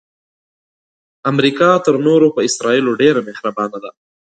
امریکا تر نورو په اسراییلو ډیره مهربانه ده.